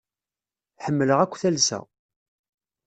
Ḥemmleɣ akk talsa.